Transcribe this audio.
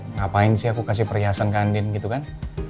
ngapain sih aku kasih perhiasan ke andin gitu kan